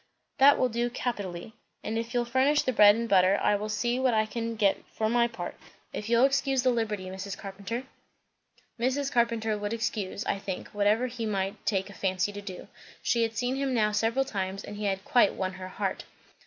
"That will do capitally. If you'll furnish the bread and butter, I will see what I can get for my part. If you'll excuse the liberty, Mrs. Carpenter?" Mrs. Carpenter would excuse, I think, whatever he might take a fancy to do. She had seen him now several times, and he had quite won her heart.